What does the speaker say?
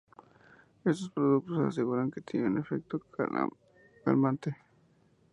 Estos productores aseguran que tiene un efecto calmante.